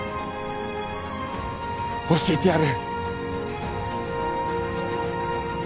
教えてやる。